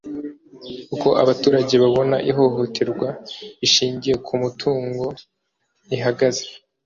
uko abaturage babona ihohoterwa rishingiye ku mutungo rihagaze